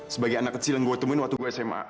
sebagai anak kecil yang gue temuin waktu gue sma